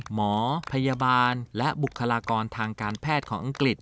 หมอพยาบาลและบุคลากรทางการแพทย์ของอังกฤษ